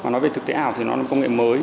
và nói về thực tế ảo thì nó là công nghệ mới